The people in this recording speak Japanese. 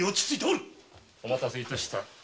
お待たせ致した。